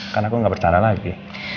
kan aku gak bercara lagi